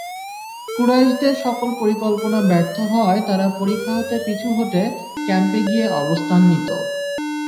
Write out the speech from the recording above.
কুরাইশদের সকল পরিকল্পনা ব্যর্থ হওয়ায় তারা পরিখা হতে পিছু হঁটে ক্যাম্পে গিয়ে অবস্থান নিত।